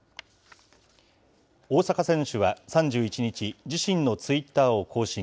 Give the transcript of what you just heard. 大坂選手は３１日、自身のツイッターを更新。